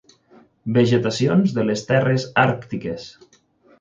Vegetacions de les terres àrtiques.